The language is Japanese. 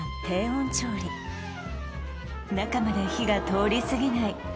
低温調理中まで火が通りすぎない